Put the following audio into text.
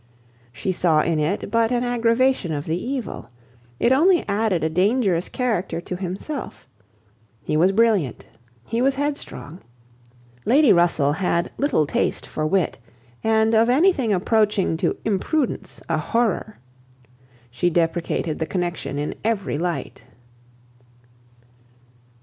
She saw in it but an aggravation of the evil. It only added a dangerous character to himself. He was brilliant, he was headstrong. Lady Russell had little taste for wit, and of anything approaching to imprudence a horror. She deprecated the connexion in every light.